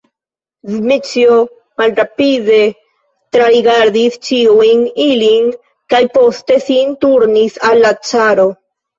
Dmiĉjo malrapide trarigardis ĉiujn ilin kaj poste sin turnis al la caro.